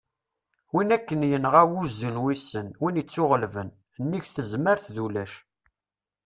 win akken yenɣa "wuzzu n wissen", win ittuɣellben : nnig tezmert d ulac